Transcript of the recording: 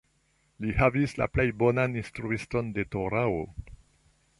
Li havis la plej bonan instruiston de Torao.